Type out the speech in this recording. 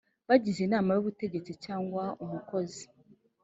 bagize Inama y Ubutegetsi cyangwa umukozi